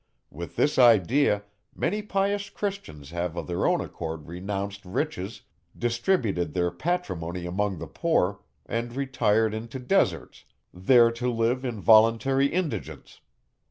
With this idea, many pious Christians have of their own accord renounced riches, distributed their patrimony among the poor, and retired into deserts, there to live in voluntary indigence.